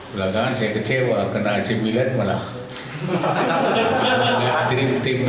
belakangan saya kecewa karena ac milan malah punya tim lagi